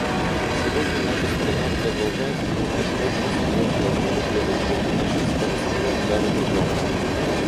Сегодня наша страна продолжает принимать очень серьезные меры для защиты наших спортсменов за рубежом.